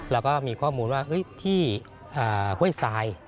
เราก็มีข้อมูลว่าที่ห้วยทราย